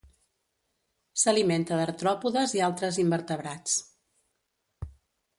S'alimenta d'artròpodes i altres invertebrats.